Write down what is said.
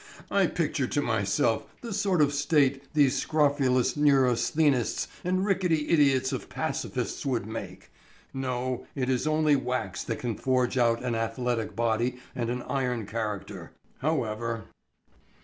I picture to myself the sort of state these scrofulous neurasthenists and rickety idiots of pacifists would make. No, it is only wax that can forge out an athletic body and an iron character. However